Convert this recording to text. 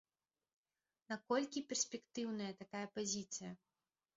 Наколькі перспектыўная такая пазіцыя?